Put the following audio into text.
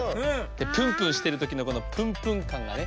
プンプンしてるときのこのプンプンかんがね。